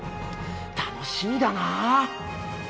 楽しみだな。